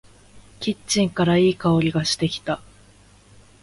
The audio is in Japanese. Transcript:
キッチンからいい香りがしてきた。